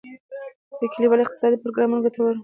د کلیوالي اقتصاد پروګرامونه ګټور وو؟